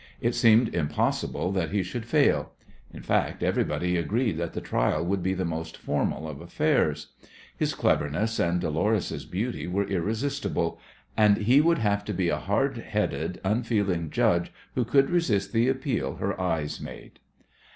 It seemed impossible that he should fail. In fact, everybody agreed that the trial would be the most formal of affairs. His cleverness and Dolores' beauty were irresistible, and he would have to be a hard headed, unfeeling judge who could resist the appeal her eyes made.